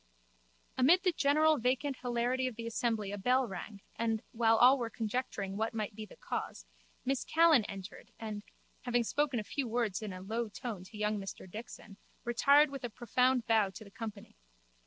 Amid the general vacant hilarity of the assembly a bell rang and, while all were conjecturing what might be the cause, Miss Callan entered and, having spoken a few words in a low tone to young Mr Dixon, retired with a profound bow to the company.